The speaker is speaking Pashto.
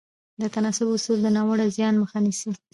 د تناسب اصل د ناوړه زیان مخه نیسي.